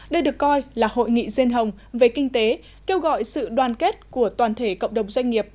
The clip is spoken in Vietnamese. đây được coi là hội nghị riêng hồng về kinh tế kêu gọi sự đoàn kết của toàn thể cộng đồng doanh nghiệp